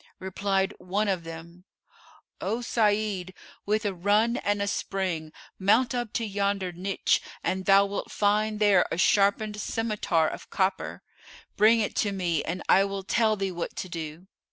Replied one of them, 'O Sa'id, with a run and a spring mount up to yonder niche[FN#442] and thou wilt find there a sharpened scymitar of copper: bring it to me and I will tell thee what to do.